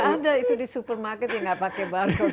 tidak ada itu di supermarket yang tidak pakai barcode